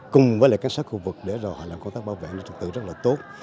cùng với lại các sát khu vực để họ làm công tác bảo vệ trật tự rất là tốt